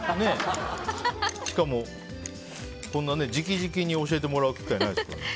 しかも、こんな直々に教えてもらう機会ないですから。